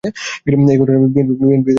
এই ঘটনায় বিএনপি তার পদত্যাগ দাবী করে।